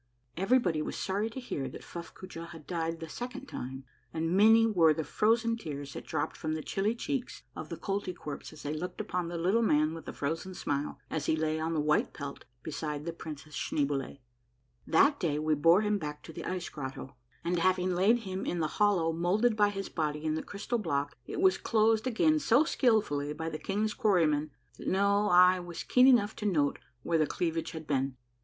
Everybody was sorry to hear that Fuffcoojah had died the second time, and many were the frozen tears that dropped from the chilly cheeks of the Koltykwerps as they looked upon the Little Man with the Frozen Smile as he lay on the white pelt beside the Princess Schneeboule. That day we bore him back to the ice grotto, and having laid him in the hollow moulded by his body in the crystal block, it was closed again so skilfully by the king's quarrymen that no eye was keen enough to note where the cleavage had been.